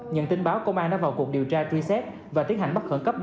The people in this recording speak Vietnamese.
nhận tin báo công an đã vào cuộc điều tra truy xét và tiến hành bắt khẩn cấp